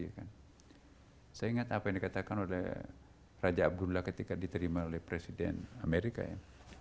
saya ingat apa yang dikatakan oleh raja abdullah ketika diterima oleh presiden amerika ya